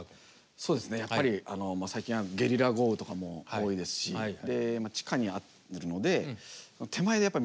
そうですねやっぱり最近はゲリラ豪雨とかも多いですし地下にあるので手前で水は止めなきゃいけませんよね。